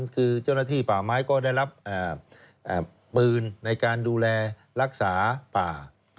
คือเจ้าหน้าที่ป่าไม้ก็ได้รับปืนในการดูแลรักษาป่า